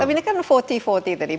tapi ini kan empat puluh empat puluh tadi